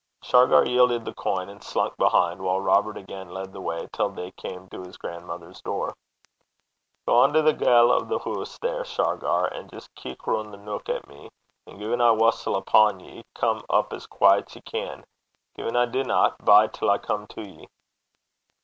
Shargar yielded the coin and slunk behind, while Robert again led the way till they came to his grandmother's door. 'Gang to the ga'le o' the hoose there, Shargar, and jist keek roon' the neuk at me; and gin I whustle upo' ye, come up as quaiet 's ye can. Gin I dinna, bide till I come to ye.'